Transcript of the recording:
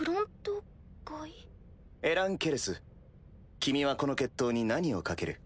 エラン・ケレス君はこの決闘に何を賭ける？